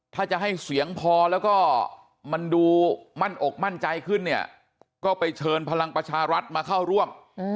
ถ้าจะให้เสียงพอแล้วก็มันดูมั่นอกมั่นใจขึ้นเนี่ยก็ไปเชิญพลังประชารัฐมาเข้าร่วม